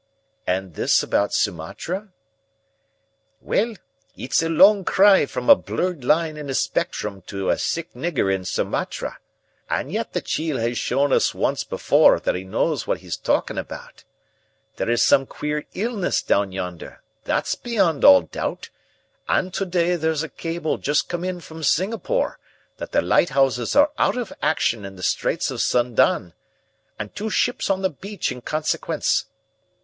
"And this about Sumatra?" "Well, it's a long cry from a blurred line in a spectrum to a sick nigger in Sumatra. And yet the chiel has shown us once before that he knows what he's talking about. There is some queer illness down yonder, that's beyond all doubt, and to day there's a cable just come in from Singapore that the lighthouses are out of action in the Straits of Sundan, and two ships on the beach in consequence.